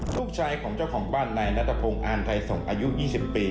ลูกชายของเจ้าของบ้านนายนัทพงศ์อ่านไทยส่งอายุ๒๐ปี